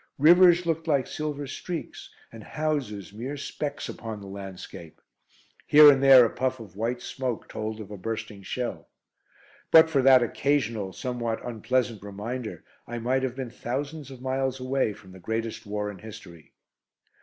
Rivers looked like silver streaks, and houses mere specks upon the landscape. Here and there a puff of white smoke told of a bursting shell. But for that occasional, somewhat unpleasant reminder, I might have been thousands of miles away from the greatest war in history.